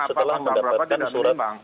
setelah mendapatkan surat